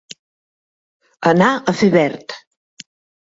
Anar a fer verd.